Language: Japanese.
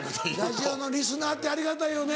ラジオのリスナーってありがたいよね。